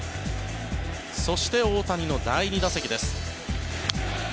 そして、大谷の第２打席です。